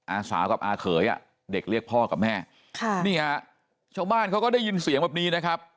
อาสาวกับอาเขยอ่ะเด็กเรียกพ่อกับแม่ค่ะนี่ฮะชาวบ้านเขาก็ได้ยินเสียงแบบนี้นะครับ